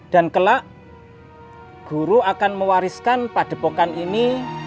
dan kelak guru akan mewariskan padepokan ini